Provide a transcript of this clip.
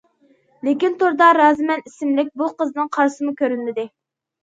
لېكىن، توردا‹‹ رازىمەن›› ئىسىملىك بۇ قىزنىڭ قارىسىمۇ كۆرۈنمىدى.